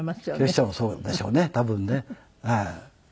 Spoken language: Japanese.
清ちゃんもそうでしょうね多分ね。